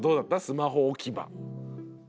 スマホ置き場。